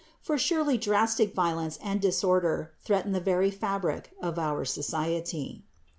. for surely drastic violence and disorder threaten the very fabric of our society."